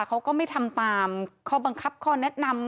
เขาก็ไม่ทำตามข้อบังคับข้อแนะนำ